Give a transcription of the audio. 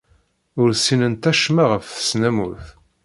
Ur ssinent acemma ɣef tesnamurt.